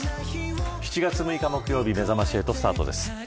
７月６日木曜日めざまし８スタートです。